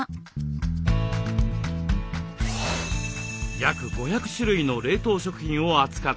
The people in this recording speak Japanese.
約５００種類の冷凍食品を扱っています。